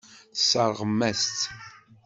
Tesseṛɣem-as-tt.